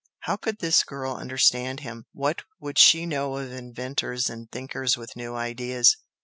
How could this girl understand him? What would she know of "inventors" and "thinkers with new ideas"?